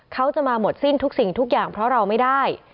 เขาจะมาหมดสิ้นทุกสิ่งทุกอย่างเพราะเราไม่ได้